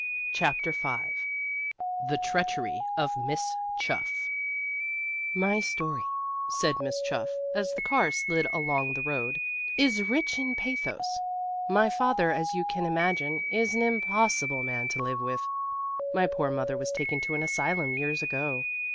CHAPTER V THE TREACHERY OF MISS CHUFF "My story," said Miss Chuff, as the car slid along the road, "is rich in pathos. My father, as you can imagine, is an impossible man to live with. My poor mother was taken to an asylum years ago.